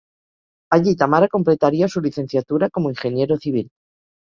Allí Tamara completaría su licenciatura como ingeniero civil.